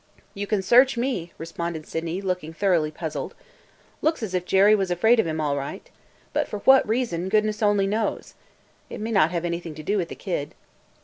"You can search me!" responded Sydney, looking thoroughly puzzled. "Looks as if Jerry was afraid of him all right. But for what reason, goodness only knows! It may not have anything to do with the kid."